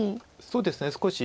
そうですね少し。